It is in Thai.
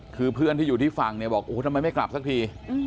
คือเพื่อนที่อยู่ที่ฝั่งเนี่ยบอกโอ้โหทำไมไม่กลับสักที